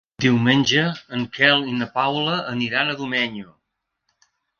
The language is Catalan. Diumenge en Quel i na Paula aniran a Domenyo.